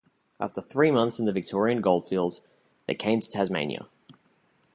After three months in the Victorian goldfields, they came to Tasmania.